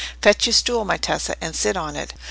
"Fetch your stool, my Tessa, and sit on it."